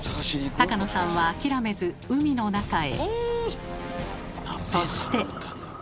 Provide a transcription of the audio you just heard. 高野さんは諦めず海の中へ。